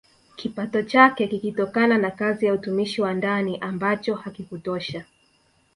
Kipato chake kikitokana na kazi ya utumishi wa ndani ambacho hakikutosha